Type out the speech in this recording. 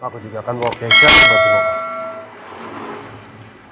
aku juga akan bawa keisha sebaik baik